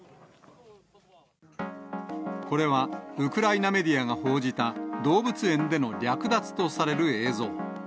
これは、ウクライナメディアが報じた、動物園での略奪とされる映像。